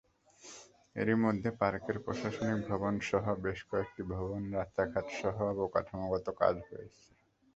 এরই মধ্যে পার্কের প্রশাসনিক ভবনসহ বেশ কয়েকটি ভবন, রাস্তাঘাটসহ অবকাঠামোগত কাজ হয়েছে।